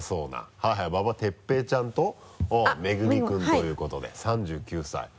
はいはい馬場哲平ちゃんと恵君ということで３９歳。